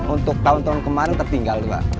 untuk tahun tahun kemarin tertinggal pak